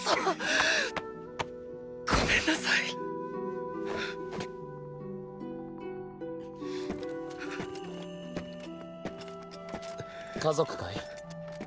ごめんなさい家族かい？